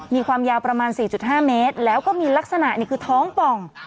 มีความยาวประมาณ๔๕เมตรแล้วก็มีลักษณะคือท้องป่อง